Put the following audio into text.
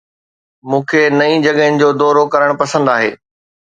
مون کي نئين جڳهن جو دورو ڪرڻ پسند آهي